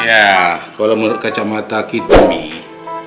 ya kalo menurut kacamata kita mih